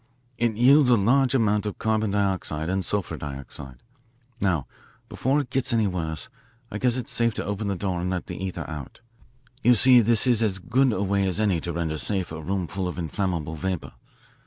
"It yields a large amount of carbon dioxide and sulphur dioxide. Now before it gets any worse I guess it's safe to open the door and let the ether out. You see this is as good a way as any to render safe a room full of inflammable vapour.